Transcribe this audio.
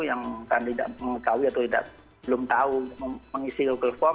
yang kan tidak mengetahui atau belum tahu mengisi google form